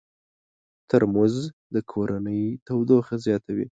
ترموز د کورنۍ تودوخه زیاتوي.